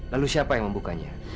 lalu siapa yang membukanya